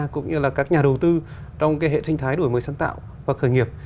cũng như là các nhà đầu tư trong hệ sinh thái đổi mới sáng tạo và khởi nghiệp